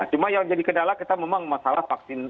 cuma yang jadi kendala kita memang masalah vaksin